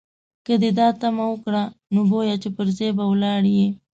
که دې دا تمه وکړه، نو بویه چې پر ځای به ولاړ یې.